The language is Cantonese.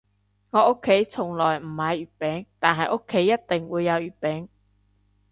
我屋企從來唔買月餅，但係屋企一定會有月餅